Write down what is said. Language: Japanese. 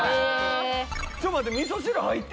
ちょっと待って。